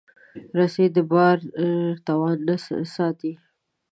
رسۍ د بار توازن ساتي.